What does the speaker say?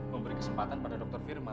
memberi kesempatan pada dokter firman